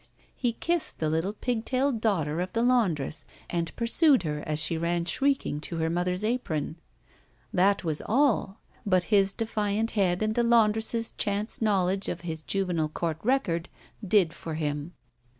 He kissed the little pig tailed daughter of the laundress and pursued her as she ran shrieking to her mother's apron. That was all, but his defiant head and the laundress's chance knowledge of his Juvenile Court record did for him.